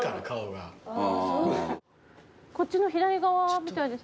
こっちの左側みたいです。